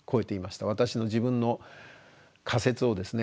私の自分の仮説をですね